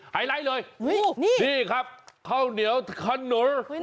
ไฮไลท์เลยนี่ครับข้าวเหนียวขนุน